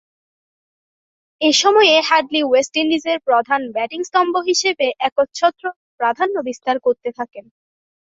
এ সময়ে Hadlee west ইন্ডিজের প্রধান ব্যাটিং স্তম্ভ হিসেবে একচ্ছত্র প্রাধান্য বিস্তার করতে থাকেন।